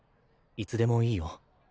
いつでもいいよ。